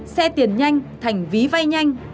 xe tiền nhanh thành ví vay nhanh